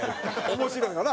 面白いよな。